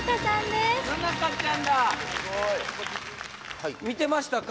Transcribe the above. ・すごい見てましたか？